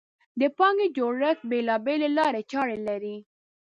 د پانګې جوړښت بېلابېلې لارې چارې لري.